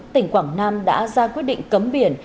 tỉnh quảng nam đã ra quyết định cấm biển